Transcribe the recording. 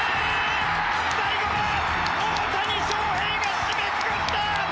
最後は大谷翔平が締めくくった！